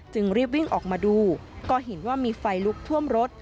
รีบวิ่งออกมาดูก็เห็นว่ามีไฟลุกท่วมรถ